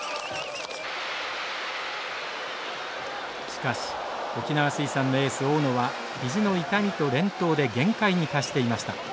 しかし沖縄水産のエース大野は肘の痛みと連投で限界に達していました。